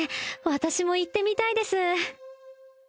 私も行ってみたいです